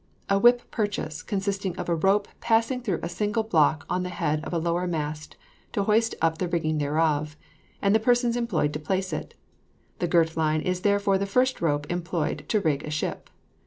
A whip purchase, consisting of a rope passing through a single block on the head of a lower mast to hoist up the rigging thereof, and the persons employed to place it; the girt line is therefore the first rope employed to rig a ship.